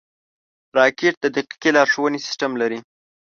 راکټ د دقیقې لارښونې سیسټم لري